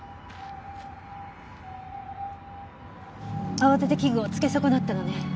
慌てて器具をつけ損なったのね。